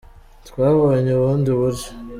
Twabonye ubundi buryo